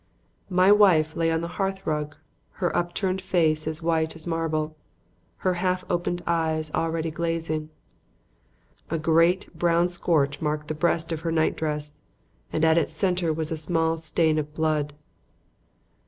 My wife lay on the hearth rug, her upturned face as white as marble, her half open eyes already glazing. A great, brown scorch marked the breast of her night dress and at its center was a small stain of blood.